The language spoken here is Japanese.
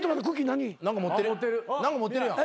何か持ってるやん。